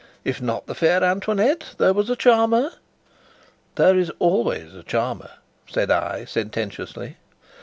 If not the fair Antoinette, there was a charmer?" "There is always a charmer," said I, sententiously.